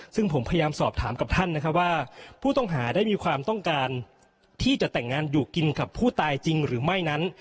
ซึ่งผมพยายามสอบถามกับท่านนะครับว่าผู้ต้องหาได้มีความต้องการที่จะแต่งงานอยู่กินกับผู้ตายจริงหรือไม่นั้น